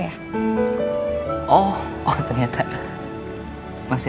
anda harus berpikir lebih baik